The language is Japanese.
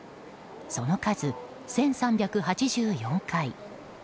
その数、１３８４回。